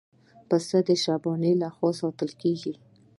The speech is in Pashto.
پسه د شپانه له خوا ساتل کېږي.